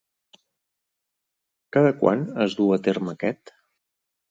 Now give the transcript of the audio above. Cada quan es du a terme aquest?